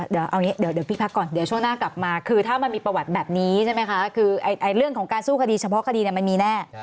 เดี๋ยวเอาอย่างนี้เดี๋ยวพี่พักก่อนเดี๋ยวช่วงหน้ากลับมาคือถ้ามันมีประวัติแบบนี้ใช่ไหมคะคือเรื่องของการสู้คดีเฉพาะคดีมันมีแน่